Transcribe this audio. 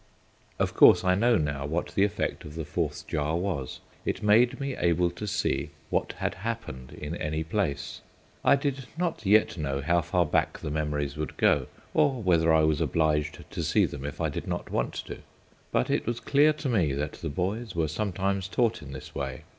Of course I know now what the effect of the Fourth Jar was; it made me able to see what had happened in any place. I did not yet know how far back the memories would go, or whether I was obliged to see them if I did not want to. But it was clear to me that the boys were sometimes taught in this way.